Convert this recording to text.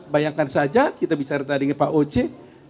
bayangkan saja kita bicara tadi dengan pak oce